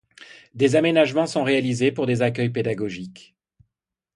Des aménagements sont réalisées pour des accueils pédagogiques.